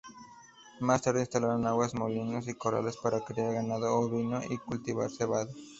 Más tarde instalaron aguadas, molinos y corrales, para criar ganado ovino y cultivar cebada.